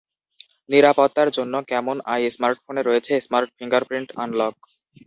নিরাপত্তার জন্য Camon i স্মার্টফোনে রয়েছে স্মার্ট ফিঙ্গারপ্রিন্ট আনলক।